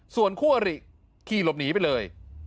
ส่วนคู่อริขี่หลบหนีไปเลย